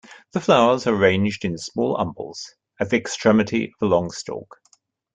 The flowers are arranged in small umbels at the extremity of a long stalk.